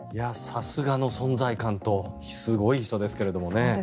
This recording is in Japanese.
さすがの存在感とすごい人ですけれどもね。